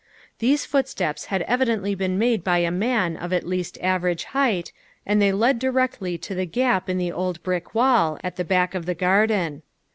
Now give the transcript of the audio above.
These footsteps had evidently been made by a man of at least average height, and they led directly to the gap in the old brick wall at the back of the garden.